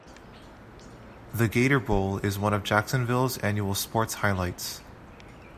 The Gator Bowl is one of Jacksonville's annual sports highlights.